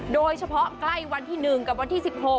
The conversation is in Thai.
โดยเฉพาะใกล้วันที่๑กับวันที่๑๖